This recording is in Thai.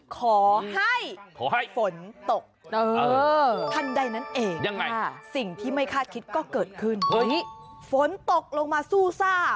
ขอให้ฝนตกทันใดนั้นเองสิ่งที่ไม่คาดคิดก็เกิดขึ้นฝนตกลงมาสู้ซ่า